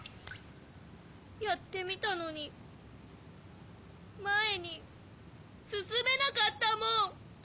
やってみたのにまえにすすめなかったもん。